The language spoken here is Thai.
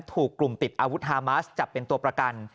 ถูกกลุ่มติดอาวุธฮามาสจับเป็นตัวประกัน